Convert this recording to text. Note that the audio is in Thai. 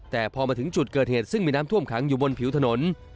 แต่พอมาถึงจุดเกิดเหตุซึ่งมีน้ำท่วมขังอยู่บนผิวถนน